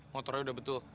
motornya udah betul